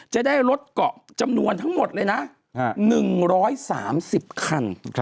จะได้รถเกาะจำนวนทั้งหมดเลยนะ๑๓๐คัน